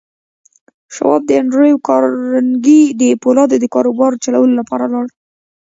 شواب د انډريو کارنګي د پولادو د کاروبار چلولو لپاره لاړ.